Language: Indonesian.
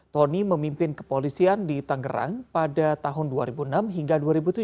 tony memimpin kepolisian di tangerang pada tahun dua ribu enam hingga dua ribu tujuh